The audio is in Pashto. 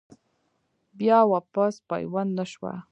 بيا واپس پيوند نۀ شوه ۔